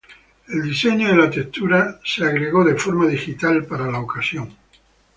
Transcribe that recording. Eventualmente, el diseño de la textura fue agregado de forma digital.